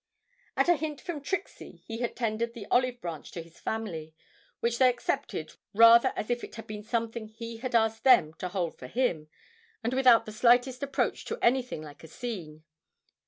At a hint from Trixie he had tendered the olive branch to his family, which they accepted rather as if it had been something he had asked them to hold for him, and without the slightest approach to anything like a scene.